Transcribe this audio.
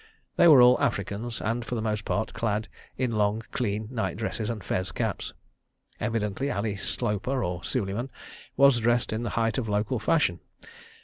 They were all Africans, and, for the most part, clad in long, clean night dresses and fez caps. Evidently Ali Sloper or Suleiman was dressed in the height of local fashion.